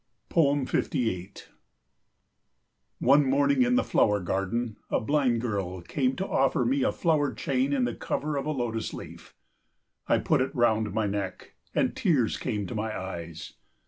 58 One morning in the flower garden a blind girl came to offer me a flower chain in the cover of a lotus leaf. I put it round my neck, and tears came to my eyes.